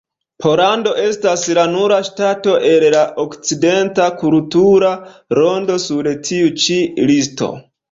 Pollando estas la nura ŝtato el la okcidenta kultura rondo sur tiu ĉi listo.